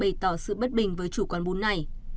bày tỏ sự bất bình với chủ quán bún này